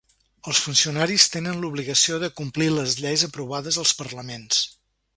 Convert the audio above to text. Els funcionaris tenen l’obligació de complir les lleis aprovades als parlaments.